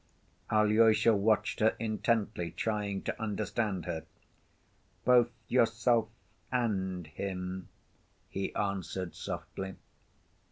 Alyosha watched her intently, trying to understand her. "Both yourself and him," he answered softly.